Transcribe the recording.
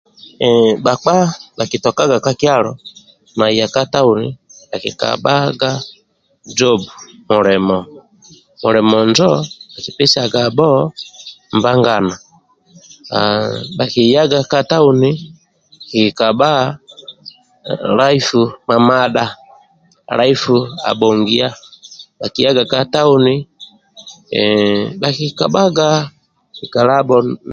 Ehhh bhakpa bhakitokaga ka kialo naya ka tauni bhakikabhaga jobu mulimo mulimo injo akimpesiagabho mbagana ahhh bhakiyaga ka tauni kabha laifu mamadha laifu abhongia bhakiyaga ka tauni ehh bhakikalaga ikalabho